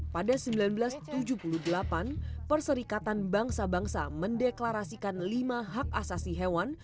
pada seribu sembilan ratus tujuh puluh delapan perserikatan bangsa bangsa mendeklarasikan lima hak asasi hewan